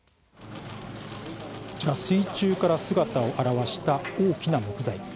水中から姿を現した大きな木材。